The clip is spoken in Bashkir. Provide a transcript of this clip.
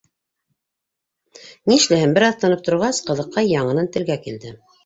Нишләһен —бер аҙ тынып торғас, ҡыҙыҡай яңынан телгә килде.